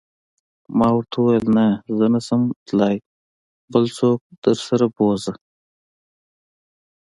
ما ورته وویل: نه، زه نه شم تلای، بل څوک درسره و بوزه.